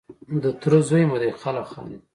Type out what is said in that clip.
د تره زوی مو دی خلک خاندي.